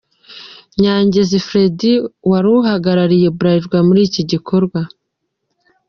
Nyagezi Freddy wari uhagarariye Bralirwa muri iki gikorwa.